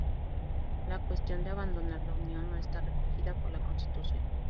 La cuestión de abandonar la Unión no está recogida por la Constitución.